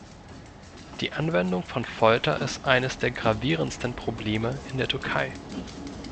Die Anwendung von Folter ist eines der gravierendsten Probleme in der Türkei.